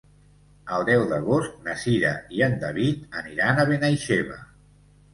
El deu d'agost na Cira i en David aniran a Benaixeve.